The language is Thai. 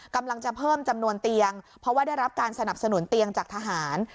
กำลังจะเพิ่มจำนวนเตียงเพราะว่าได้รับการสนับสนุนเตียงจากทหาร